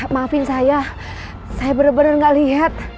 maafin saya saya bener bener gak liat